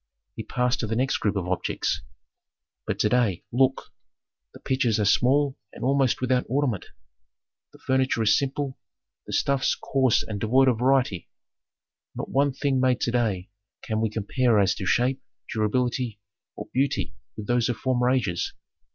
He passed to the next group of objects. "But to day, look: the pitchers are small and almost without ornament, the furniture is simple, the stuffs coarse and devoid of variety. Not one thing made to day can we compare as to shape, durability, or beauty with those of former ages.